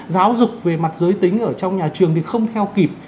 giáo dục về mặt giới tính ở trong nhà trường thì không theo kịp